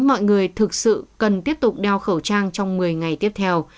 mọi người thực sự cần tiếp tục đeo khẩu trang trong một mươi ngày tiếp theo